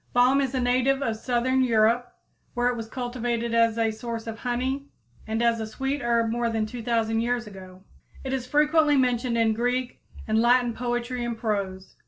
Balm is a native of southern Europe, where it was cultivated as a source of honey and as a sweet herb more than 2,000 years ago. It is frequently mentioned in Greek and Latin poetry and prose.